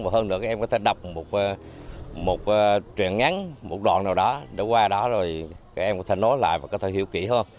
và hơn nữa các em có thể đọc một chuyện ngắn một đoạn nào đó để qua đó rồi các em có thể nối lại và có thể hiểu kỹ hơn